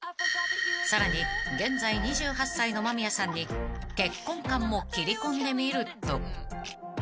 ［さらに現在２８歳の間宮さんに結婚観も切り込んでみると］